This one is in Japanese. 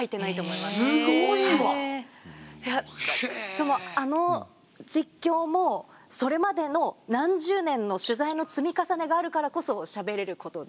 でもあの実況もそれまでの何十年の取材の積み重ねがあるからこそしゃべれることで。